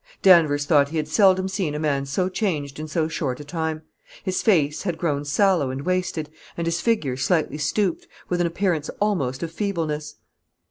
Danvers thought he had seldom seen a man so changed in so short a time. His face had grown sallow and wasted, and his figure slightly stooped, with an appearance almost of feebleness.